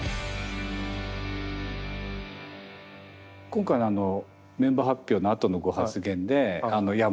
今回のメンバー発表のあとのご発言でいや